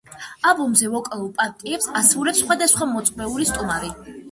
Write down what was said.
ალბომზე ვოკალურ პარტიებს ასრულებს სხვადასხვა მოწვეული სტუმარი.